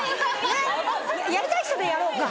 ねっやりたい人でやろうか。